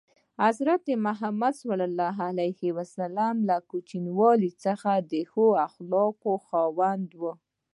حضرت محمد ﷺ له کوچنیوالي څخه د ښو اخلاقو خاوند و.